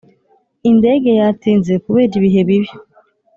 indege yatinze kubera ibihe bibi.